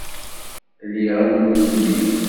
Lliɣ am nutni.